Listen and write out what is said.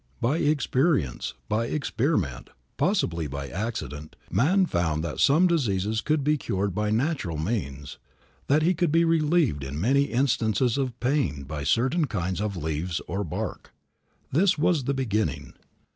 By experience, by experiment, possibly by accident, man found that some diseases could be cured by natural means; that he could be relieved in many instances of pain by certain kinds of leaves or bark. This was the beginning.